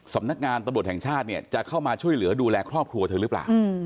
สำนักงานตำรวจแห่งชาติเนี่ยจะเข้ามาช่วยเหลือดูแลครอบครัวเธอหรือเปล่า